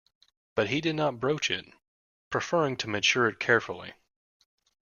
But he did not broach it, preferring to mature it carefully.